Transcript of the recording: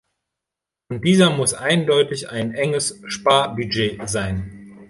Und dieser muss eindeutig ein enges Sparbudget sein.